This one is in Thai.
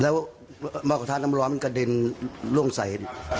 แล้วหม้อกระทะน้ำร้อนมันกระเด็นล่วงใส่